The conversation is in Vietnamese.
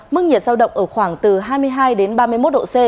mức nhiệt giao động ở khoảng từ hai mươi hai đến ba mươi một độ c